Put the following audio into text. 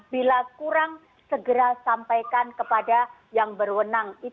bila kurang segera sampaikan kepada yang berwenang